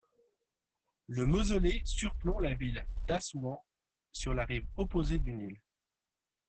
Le mausolée surplombe la ville d'Assouan sur la rive opposée du Nil.